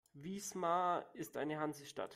Wismar ist eine Hansestadt.